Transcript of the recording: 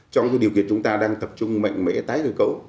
trong điều kiện chúng ta đang tập trung mạnh mẽ tái cơ cấu